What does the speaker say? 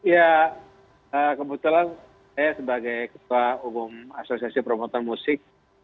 ya kebetulan saya sebagai ketua umum asosiasi promotor musik